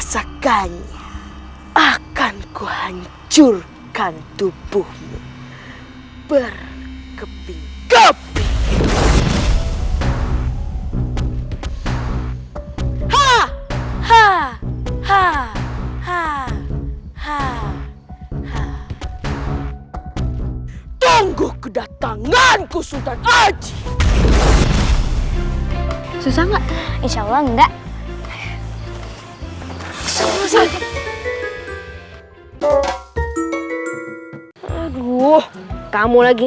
sampai jumpa di video selanjutnya